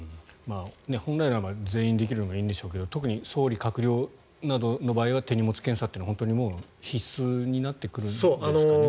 本来ならば全員できるのがいいんでしょうが特に総理閣僚などの場合は手荷物検査というのは必須になってくるんですかね。